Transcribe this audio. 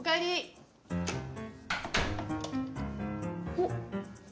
おっ！